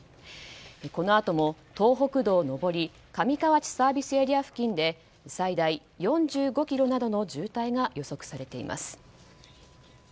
このあとも東北道上り上河内ＳＡ付近で最大４５ｋｍなどの渋滞が予測されています。